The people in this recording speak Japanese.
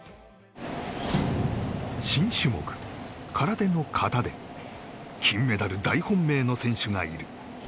新種目、空手の形で金メダル大本命の選手がいる。